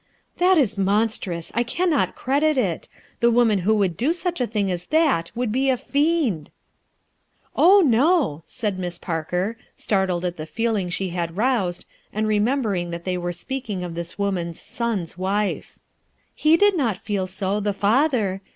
"That is monstrous! I cannot credit it. The woman who would do such a thing as that would be a fiend!" "Oh, no!" said Miss Parker, startled at the feeling she had roused, and remembering that they were speaking of this woman's son's wife. "He did not feel it so, the father.